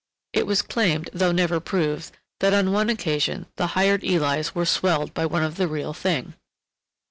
It was claimed though never proved that on one occasion the hired Elis were swelled by one of the real thing.